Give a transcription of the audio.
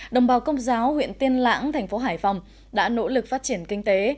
đồng bào công giáo huyện tiên lãng thành phố hải phòng đã nỗ lực phát triển kinh tế